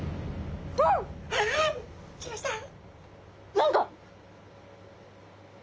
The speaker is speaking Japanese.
何か。